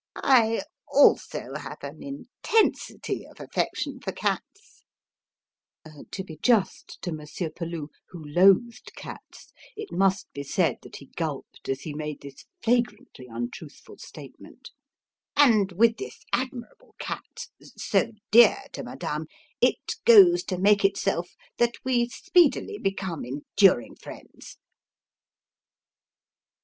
I also have an intensity of affection for cats" to be just to Monsieur Peloux, who loathed cats, it must be said that he gulped as he made this flagrantly untruthful statement "and with this admirable cat, so dear to Madame, it goes to make itself that we speedily become enduring friends."